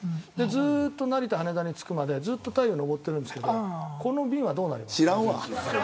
ずっと成田、羽田に着くまでずっと太陽、昇っているんですがこの便はどうなりますか。